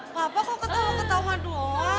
papa kok ketawa ketawa aduh